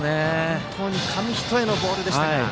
本当に紙一重のボールでした。